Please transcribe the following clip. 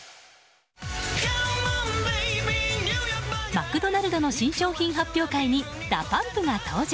マクドナルドの新商品発表会にＤＡＰＵＭＰが登場。